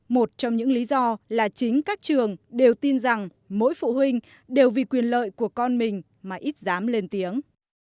một trong những lý do là chính các trường đều tin rằng mỗi phụ huynh đều vì quyền lợi của con mình mà ít dám lên tiếng